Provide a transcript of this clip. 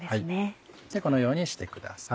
このようにしてください。